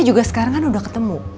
plese jangan begitu